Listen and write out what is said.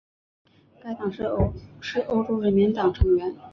该党是欧洲人民党成员。